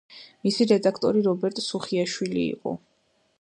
მისი რედაქტორი რობერტ სუხიაშვილი იყო.